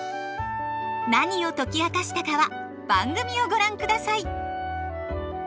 何を解き明かしたかは番組をご覧ください！